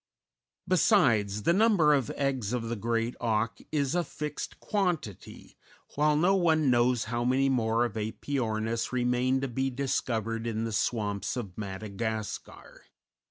Besides, the number of eggs of the great auk is a fixed quantity, while no one knows how many more of Æpyornis remain to be discovered in the swamps of Madagascar.